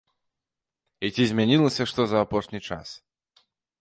І ці змянілася што за апошні час?